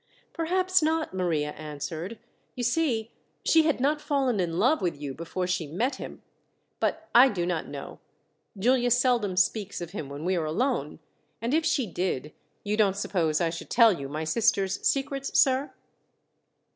"Perhaps not," Maria answered. "You see, she had not fallen in love with you before she met him. But I do not know. Giulia seldom speaks of him when we are alone, and if she did, you don't suppose I should tell you my sister's secrets, sir?"